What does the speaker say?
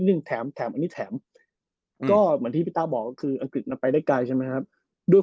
และที่สำคัญสวยด้วย